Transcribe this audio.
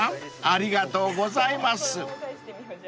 ありがとうございます］